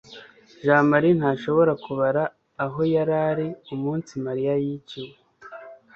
jamali ntashobora kubara aho yari ari umunsi mariya yiciwe